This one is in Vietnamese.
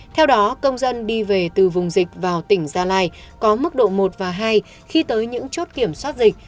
theo đó công dân đi về từ vùng dịch vào tỉnh gia lai có mức độ một và hai khi tới những chốt kiểm soát dịch